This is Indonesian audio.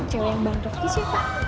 itu cewek bang doki sih kak